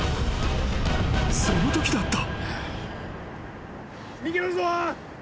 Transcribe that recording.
［そのときだった］